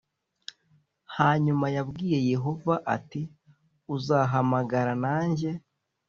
hanyuma yabwiye yehova ati uzahamagara nanjye